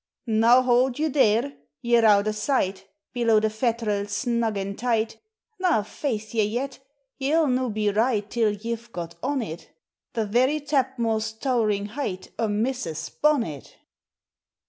Now baud yon there, ye're out o' sight, Below the fatt'rels, snug an' tight; Na, faith, ye yet ! ye '11 no be right Till ye 've goj on it, The very tapmosl tow'ring height O' Miss's bonnet.